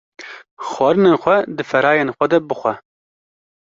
Xwarinên xwe di ferayên xwe de bixwe